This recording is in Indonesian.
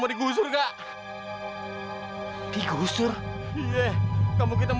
lo tuh gak selalu sama kita